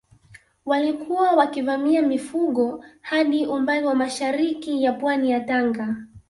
Walikuwa wakivamia mifugo hadi umbali wa mashariki ya pwani ya Tanga